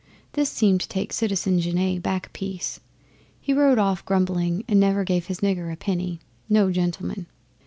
This seemed to take Citizen Genet back a piece. He rode off grumbling, and never gave his nigger a penny. No gentleman!